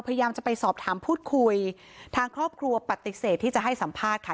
พยายามจะไปสอบถามพูดคุยทางครอบครัวปฏิเสธที่จะให้สัมภาษณ์ค่ะ